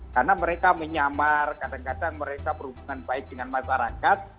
karena mereka menyamar kadang kadang mereka berhubungan baik dengan masyarakat